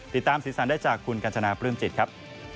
ติดตามสินสันได้จากคุณกัญชนาปรื่มจิตครับ